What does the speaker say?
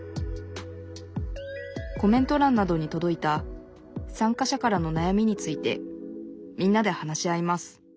コメントらんなどにとどいた参加者からのなやみについてみんなで話し合います